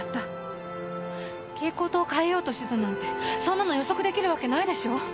蛍光灯を換えようとしてたなんてそんなの予測できるわけないでしょう？